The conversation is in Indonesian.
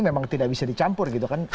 memang tidak bisa dicampur gitu kan